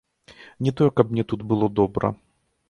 Не тое каб мне тут было добра.